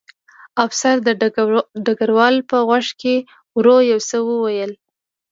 افسر د ډګروال په غوږ کې ورو یو څه وویل